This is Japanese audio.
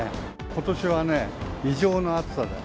ことしはね、異常な暑さだよ。